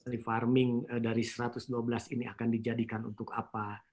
refarming dari satu ratus dua belas ini akan dijadikan untuk apa